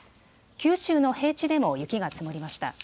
九州の平地でも雪が積もりました。